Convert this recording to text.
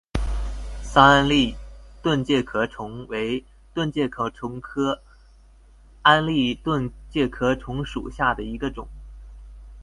桑安蛎盾介壳虫为盾介壳虫科安蛎盾介壳虫属下的一个种。